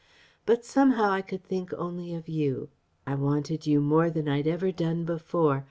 But somehow I could only think of you. I wanted you more than I'd ever done before.